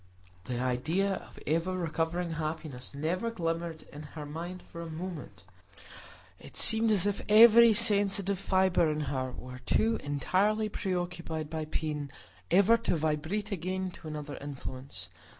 The idea of ever recovering happiness never glimmered in her mind for a moment; it seemed as if every sensitive fibre in her were too entirely preoccupied by pain ever to vibrate again to another influence.